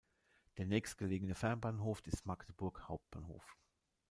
Der nächstgelegene Fernbahnhof ist Magdeburg Hauptbahnhof.